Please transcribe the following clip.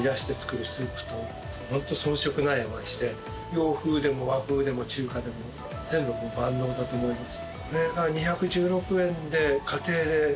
洋風でも和風でも中華でも全部万能だと思います。